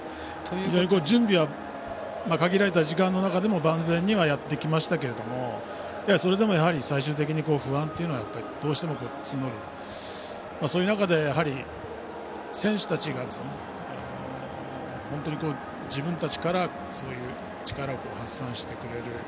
準備は限られた時間の中では万全にはやってきましたけどそれでも、やはり最終的に不安はどうしても募る中で選手たちが自分たちから力を発散してくれる。